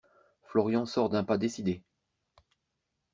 Florian sort d’un pas décidé.